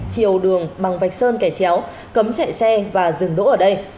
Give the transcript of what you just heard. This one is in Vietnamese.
chiều đường bằng vạch sơn kẻ chéo cấm chạy xe và dừng đỗ ở đây